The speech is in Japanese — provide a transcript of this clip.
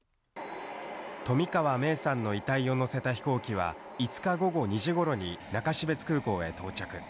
冨川芽生さんの遺体を乗せた飛行機は、５日午後２時ごろに中標津空港へ到着。